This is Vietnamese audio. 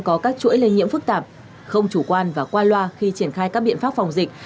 có các chuỗi lây nhiễm phức tạp không chủ quan và qua loa khi triển khai các biện pháp phòng dịch